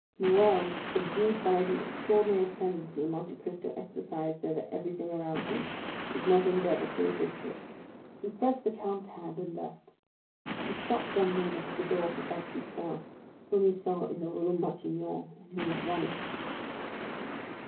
Morrel, subdued by the extraordinary ascendancy Monte Cristo exercised over everything around him, did not endeavor to resist it. He pressed the count's hand and left. He stopped one moment at the door for Baptistin, whom he saw in the Rue Matignon, and who was running.